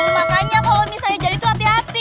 makanya kalau misalnya jadi itu hati hati